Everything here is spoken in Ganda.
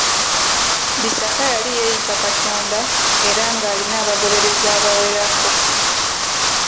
Bisaka yali yeeyita Katonda era ng'alina abagoberezi abawerako.